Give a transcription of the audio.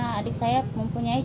iya karena adik saya mempunyai cinta